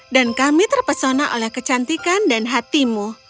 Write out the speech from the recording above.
dan kami terpesona oleh kecantikan dan hatimu